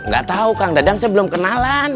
gak tahu kang dadang saya belum kenalan